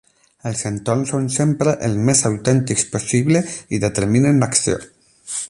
Els entorns són sempre el més autèntics possible i determinen l'acció.